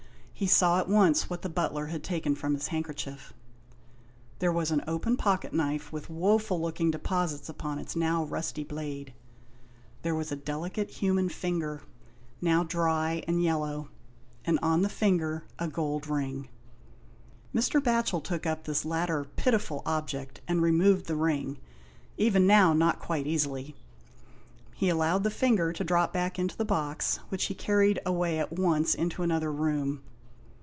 He saw at once what the butler had taken from his handkerchief. There was an open pocket knife, with woeful looking deposits upon its now rusty blade. There was a delicate human finger, now dry and yellow, and on the finger a gold ring, Mr. Batchel took up this latter pitiful object and removed the ring, even now, not quite easily. He allowed the finger to drop back into the box, which he carried away at once into another room.